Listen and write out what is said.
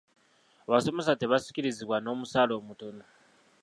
Abasomesa tebasikirizibwa n'omusaala omutono.